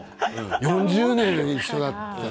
４０年一緒だったら。